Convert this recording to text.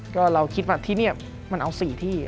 ก็เราคิดว่าที่นี่มันเอา๔ที่